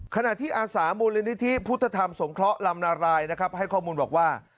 ขนาดที่อาสาบุรณนิธริปุทธธรรมสงคระลำนาไร่ให้ข้อมูลบอกว่า